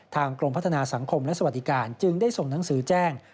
กรมพัฒนาสังคมและสวัสดิการจึงได้ส่งหนังสือแจ้ง